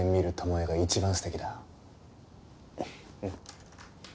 うん。